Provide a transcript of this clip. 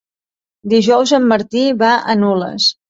Dijous en Martí va a Nules.